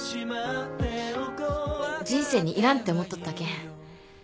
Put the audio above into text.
人生にいらんって思っとったけん。